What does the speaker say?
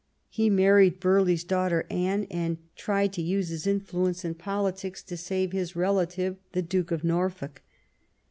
He married Burghley's daughter Anne, and tried to use his influence in politics to save his relative the Duke of Norfolk.